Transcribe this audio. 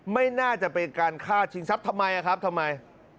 ไม่น่าจะเป็นการฆ่าชิงทรัพย์ทำไมครับทำไม